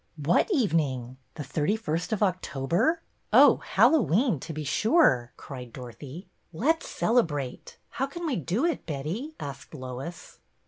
" What evening ? The thirty first of Octo ber? Oh, Hallowe'en, to be sure," cried Dorothy. " Let 's celebrate — how can we do it, Betty ?" asked Lois.